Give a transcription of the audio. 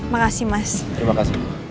makasih mas terima kasih